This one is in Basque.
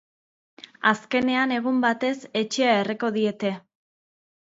Azkenean, egun batez, etxea erreko diete.